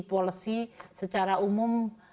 polisi secara umum